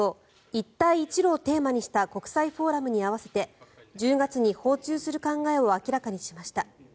一帯一路をテーマにした国際フォーラムに合わせて１０月に訪中する考えを明らかにしました。